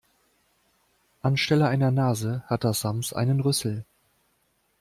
Anstelle einer Nase hat das Sams einen Rüssel.